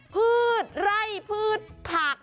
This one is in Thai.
พืชไร่พืชผัก